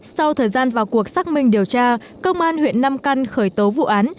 sau thời gian vào cuộc xác minh điều tra công an huyện nam căn khởi tố vụ án